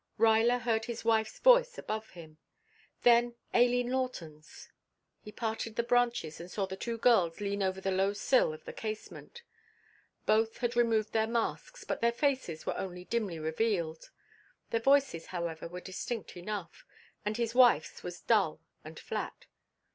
Ruyler heard his wife's voice above him, then Aileen Lawton's. He parted the branches and saw the two girls lean over the low sill of the casement. Both had removed their masks, but their faces were only dimly revealed. Their voices, however, were distinct enough, and his wife's was dull and flat.